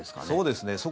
そうですね。